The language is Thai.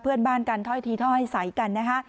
เพื่อนบ้านกันถ้อยทีถ้อยใสกันนะคะ